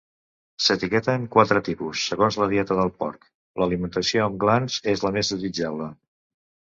S'etiqueten quatre tipus, segons la dieta del porc, l'alimentació amb glans és la més desitjable.